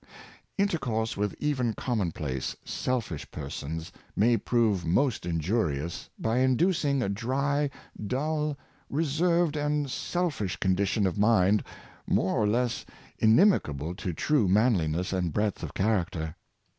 Intercourse with even commonplace, selfish persons, may prove most injurious, by inducing a dry, dull, re served and selfish condition of mind, more or less inim ical to true manliness and breadth of character.